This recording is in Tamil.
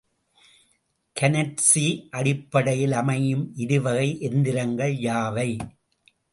கனற்சி அடிப்படையில் அமையும் இருவகை எந்திரங்கள் யாவை?